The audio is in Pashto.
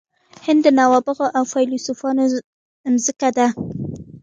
هند د نوابغو او فیلسوفانو مځکه ده.